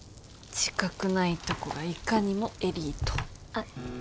自覚ないとこがいかにもエリート。